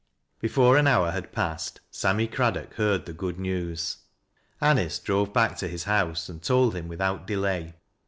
Before an hour had passed, Sammy Craddock heard the good news. Anice drove back to his house and told hiiii, without delay.